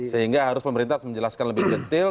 sehingga harus pemerintah harus menjelaskan lebih detail